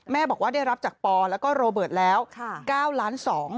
บอกว่าได้รับจากปอแล้วก็โรเบิร์ตแล้ว๙ล้าน๒